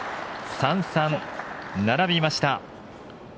３−３、並びました。